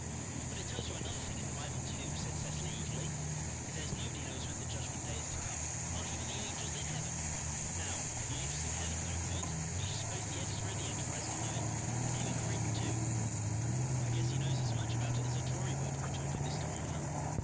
"But it tells you another thing in the Bible, too," said Cecily eagerly. "It says nobody knows when the Judgment Day is to come not even the angels in heaven. Now, if the angels in heaven don't know it, do you suppose the editor of the Enterprise can know it and him a Grit, too?" "I guess he knows as much about it as a Tory would," retorted the Story Girl.